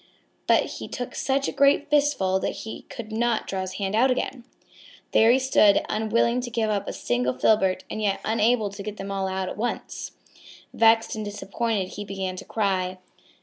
But he took such a great fistful that he could not draw his hand out again. There he stood, unwilling to give up a single filbert and yet unable to get them all out at once. Vexed and disappointed he began to cry.